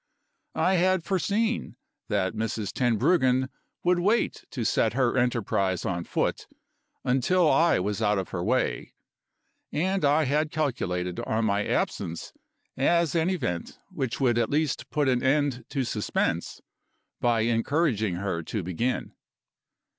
I had foreseen that Mrs. Tenbruggen would wait to set her enterprise on foot, until I was out of her way; and I had calculated on my absence as an event which would at least put an end to suspense by encouraging her to begin.